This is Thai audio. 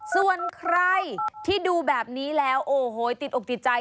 ส่วนใครที่ดูแบบนี้แล้วโอ้โหติดอกติดใจ